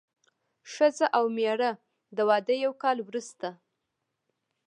ښځه او مېړه د واده یو کال وروسته.